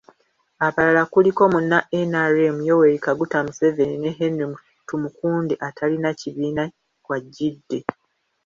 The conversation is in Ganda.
Abalala kuliko; Munna NRM Yoweri Kaguta Museveni ne Henry Tumukunde atalina kibiina kwagidde.